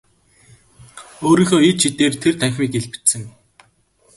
Өөрийнхөө ид шидээр тэр танхимыг илбэдсэн.